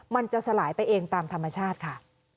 มันจะสลายไปเองตามธรรมชาติค่ะ